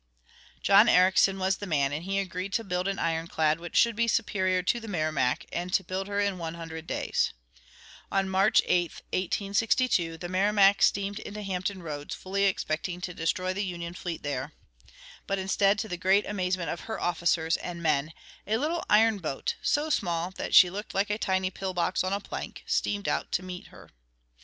John Ericsson was the man, and he agreed to build an ironclad which should be superior to the Merrimac, and to build her in one hundred days. On March 8, 1862, the Merrimac steamed into Hampton Roads, fully expecting to destroy the Union fleet there. But instead, to the great amazement of her officers and men a little iron boat, so small that she looked like a tiny pill box on a plank, steamed out to meet her.